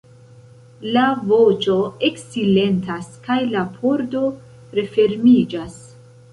La voĉo eksilentas kaj la pordo refermiĝas.